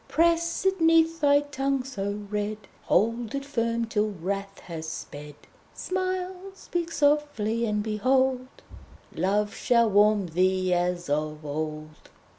Press it 'neath thy tongue so red, Hold it firm till wrath has sped. Smile, speak softly, and behold, Love shall warm thee as of old.'